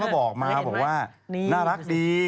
น้ารักมาก